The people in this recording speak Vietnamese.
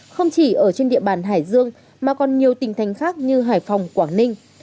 không chỉ ở trên địa bàn hải dương mà còn nhiều tỉnh thành khác như hải phòng quảng ninh